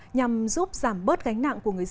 nhằm giúp giảm bớt gánh nặng của người dân